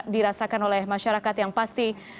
dirasakan oleh masyarakat yang pasti